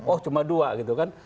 oh cuma dua gitu kan